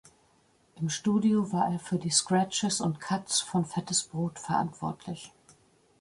Im Studio war er für die Scratches und Cuts von Fettes Brot verantwortlich.